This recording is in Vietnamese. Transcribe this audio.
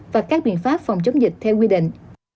và các biện pháp phòng chống dịch theo quy định